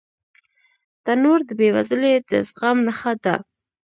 تنور د بې وزلۍ د زغم نښه ده